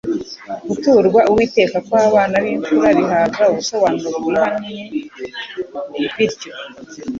Guturwa Uwiteka kw'abana b'imfura bihabwa ubusobanuro bwihanye bityo.